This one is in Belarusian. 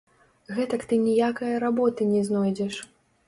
Гэтак ты ніякае работы не знойдзеш.